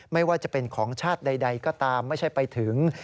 ไม่ว่าจะเป็นของชาติใดก็ตามไม่ใช่ไปถึง